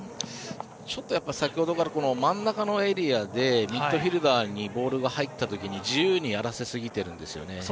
ちょっと先ほどから真ん中のエリアでミッドフィールダーにボールが入ったときに自由にやらせすぎてるんですよね。